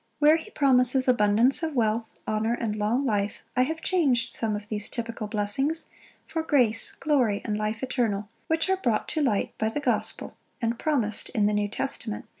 Where he promises abundance of wealth, honour, and long life, I have changed some of these typical blessings for grace, glory, and life eternal, which are brought to light by the gospel, and promised in the New Testament.